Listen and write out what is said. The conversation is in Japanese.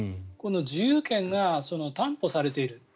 この自由権が担保されている。